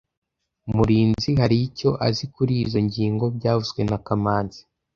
Murinzi hari icyo azi kurizoi ngingo byavuzwe na kamanzi